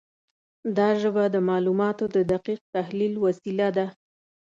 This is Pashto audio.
دا ژبه د معلوماتو د دقیق تحلیل وسیله ده.